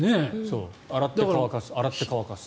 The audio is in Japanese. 洗って、乾かす洗って、乾かす。